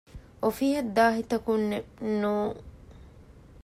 އޮފީހަށް ދާހިތަކުން ނޫން